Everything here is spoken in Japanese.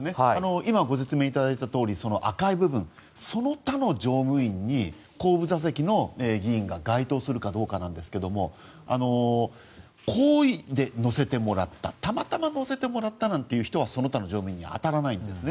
今ご説明いただいたとおり赤い部分、その他の乗務員に後部座席の議員が該当するかどうかなんですが好意で乗せてもらったたまたま乗せてもらったなんていう人はその他の乗務員に当たらないんですね。